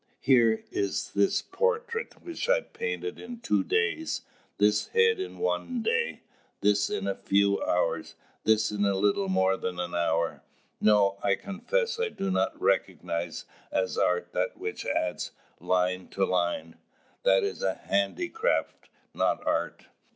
Here is this portrait which I painted in two days, this head in one day, this in a few hours, this in little more than an hour. No, I confess I do not recognise as art that which adds line to line; that is a handicraft, not art."